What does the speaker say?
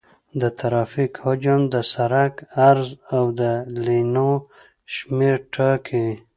د ترافیک حجم د سرک عرض او د لینونو شمېر ټاکي